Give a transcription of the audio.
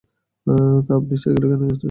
তা আপনি সাইকেলে কেন যাচ্ছেন?